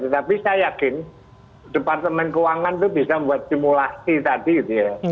tetapi saya yakin departemen keuangan itu bisa membuat simulasi tadi gitu ya